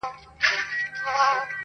د خپل برباد ژوند د قصي ابتدا څنګه اوکړم؟